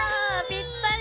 ぴったり！